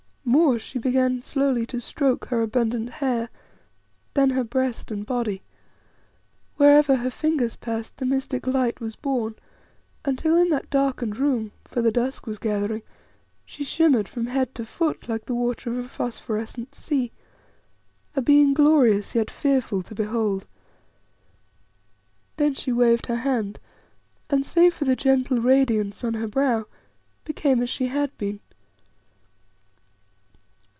More, she began slowly to stroke her abundant hair, then her breast and body. Wherever her fingers passed the mystic light was born, until in that darkened room for the dusk was gathering she shimmered from head to foot like the water of a phosphorescent sea, a being glorious yet fearful to behold. Then she waved her hand, and, save for the gentle radiance on her brow, became as she had been.